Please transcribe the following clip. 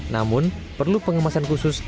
namun perlu pengemasan khusus